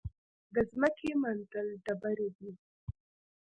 د ځمکې منتل ډبرې دي.